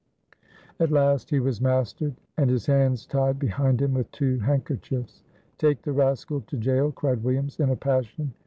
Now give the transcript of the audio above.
At last he was mastered, and his hands tied behind him with two handkerchiefs. "Take the rascal to jail!" cried Williams, in a passion.